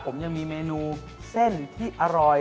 ผมยังมีเมนูเส้นที่อร่อย